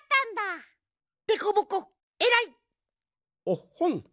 おっほん！